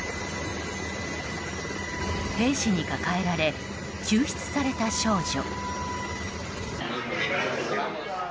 兵士に抱えられ救出された少女。